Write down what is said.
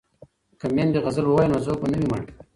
که میندې غزل ووايي نو ذوق به نه وي مړ.